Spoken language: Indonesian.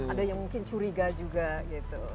ada yang mungkin curiga juga gitu